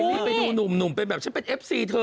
นี่ไปดูหนุ่มเป็นแบบฉันเป็นเอฟซีเธอ